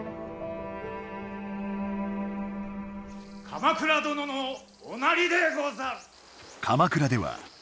鎌倉殿のおなりでござる。